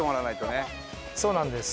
そうなんです。